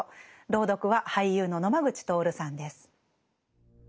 朗読は俳優の野間口徹さんです。